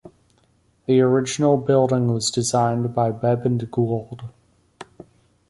The original building was designed by Bebb and Gould.